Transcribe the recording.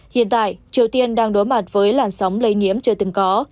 hiện tại triều tiên đang đối mặt với làn sóng lây nhiễm chưa từng có